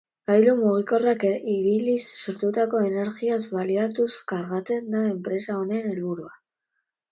Gailu mugikorrak ibiliz sortutako energiaz baliatuz kargatzea da enpresa honen helburua.